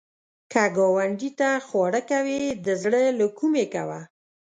که ګاونډي ته خواړه کوې، د زړه له کومي کوه